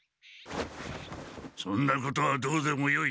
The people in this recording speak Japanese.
そんなことはどうでもよい。